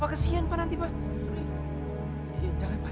kalau payol disini